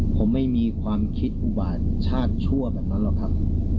ผมไม่มีความคิดอุบาตชาติชั่วแบบนั้นหรอกครับ